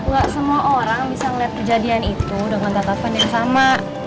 gak semua orang bisa ngeliat kejadian itu dengan catatan yang sama